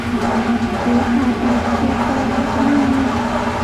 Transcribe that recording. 无法摆脱悲哀的命运